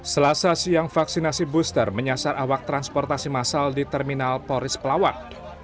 selasa siang vaksinasi booster menyasar awak transportasi masal di terminal poris pelawak